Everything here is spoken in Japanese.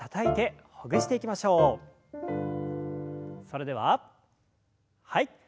それでははい。